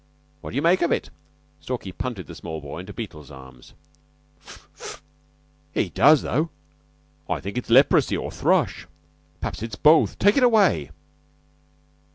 "What d'you make of it?" Stalky punted the small boy into Beetle's arms. "Snf! Snf! He does, though. I think it's leprosy or thrush. P'raps it's both. Take it away."